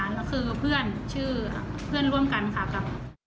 แล้วคือเพื่อนชื่อเพื่อนร่วมกันค่ะกับ